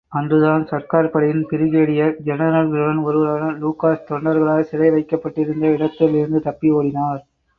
அன்றுதான் சர்க்கார்படையின் பிரிகேடியர் ஜெனரல்களுள் ஒருவரான லூகாஸ் தொண்டர்களால் சிறை வைக்கப்பட்டிருந்த இடத்திலிருந்து தப்பி ஓடினார்.